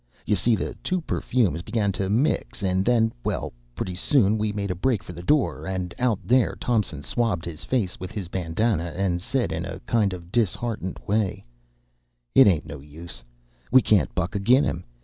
You see the two perfumes began to mix, and then well, pretty soon we made a break for the door; and out there Thompson swabbed his face with his bandanna and said in a kind of disheartened way, "It ain't no use. We can't buck agin him.